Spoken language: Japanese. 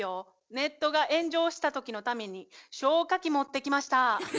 ネットが炎上した時のために消火器持ってきました。